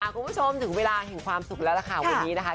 คุณผู้ชมถึงเวลาแห่งความสุขแล้วล่ะค่ะวันนี้นะคะ